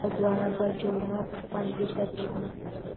او دواړه بهجوړه ښوونځي ته تللې